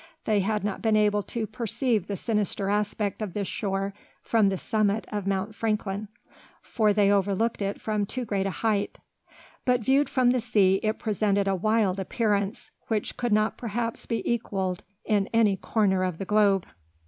They had not been able to perceive the sinister aspect of this shore from the summit of Mount Franklin, for they overlooked it from too great a height, but viewed from the sea it presented a wild appearance which could not perhaps be equalled in any corner of the globe.